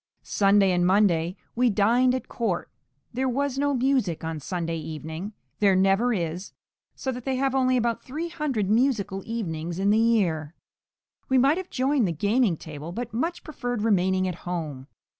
Sunday and Monday we dined at court; there was no music on Sunday evening; there never is, so that they have only about 300 musical evenings in the year. We might have joined the gaming table, but much preferred remaining at home.